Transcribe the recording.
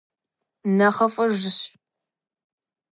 НэхъыфӀыжщ!